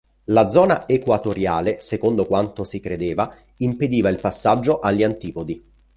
La zona equatoriale, secondo quanto si credeva, impediva il passaggio agli antipodi.